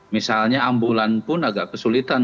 misalnya ambulan pun agak kesulitan